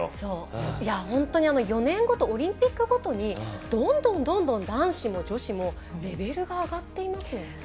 本当に４年ごとオリンピックごとにどんどんどんどん男子も女子もレベルが上がっていますよね。